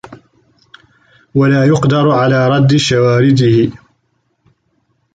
وَلَا يُقْدَرُ عَلَى رَدِّ شَوَارِدِهِ